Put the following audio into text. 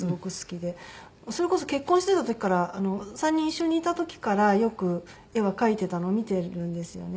それこそ結婚していた時から３人一緒にいた時からよく絵は描いていたのを見ているんですよね。